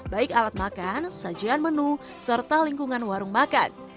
baik alat makan sajian menu serta lingkungan warung makan